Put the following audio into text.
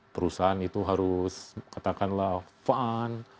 perusahaan itu harus katakanlah fun